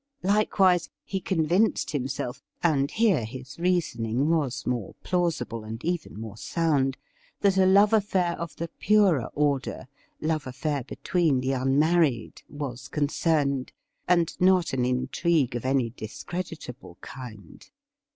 Likewise, he convinced himself — and here his reasoning was more plausible, and even more sound — that a love affair of the purer order — love affair between the unmarried — was concerned, and not an intrigue of any JIM CONRAD'S FIND 7 discreditable kind.